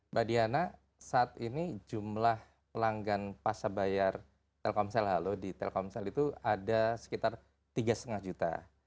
mbak diana saat ini jumlah pelanggan pasar bayar telkomsel halo di telkomsel itu ada sekitar tiga lima juta